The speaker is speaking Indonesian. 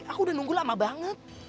aku udah nunggu lama banget